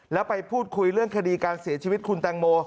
แล้วไปพูดคุยเรื่องคดีการเสียชีวิตคุณแตงโม